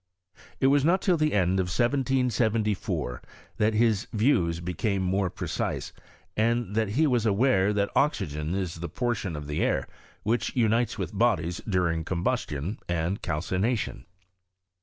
It. was not till the end of 1774 that his views became more precise, and that he was aware that oxygen is the portion of the air which, unites with bodies during combustion, and calci nation.